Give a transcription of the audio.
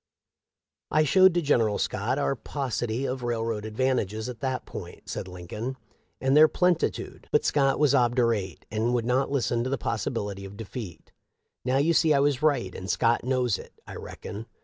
' I showed to General Scott our paucity of railroad advantages at that point,' said Lincoln, 'and their plenitude, but Scott was obdurate and would not listen to the possibility of defeat. Now you see I was right, and Scott knows it, I reckon.